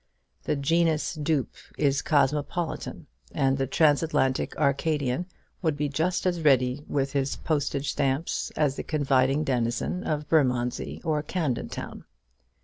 The genus dupe is cosmopolitan, and the Transatlantic Arcadian would be just as ready with his postage stamps as the confiding denizen of Bermondsey or Camden Town.